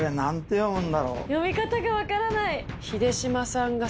読み方が分からない。